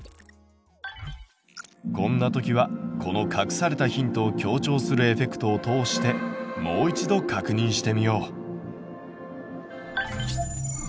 こんな時はこの隠されたヒントを強調するエフェクトを通してもう一度確認してみよう！